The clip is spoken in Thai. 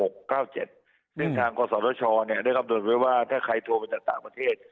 ในทางกษรชรเนี่ยด้วยคำนวจไว้ว่าถ้าใครโทรมาจากต่างประเทศ